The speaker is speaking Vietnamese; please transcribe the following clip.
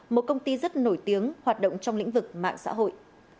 một công ty rất nổi tiếng hoạt động trong lĩnh vực mạng xã hội